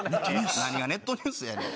何がネットニュースやねん。